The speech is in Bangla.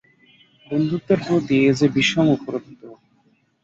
বন্ধুত্বের প্রতি এ যে বিষম উপদ্রব।